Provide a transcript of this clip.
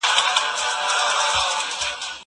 پاکوالی وکړه!؟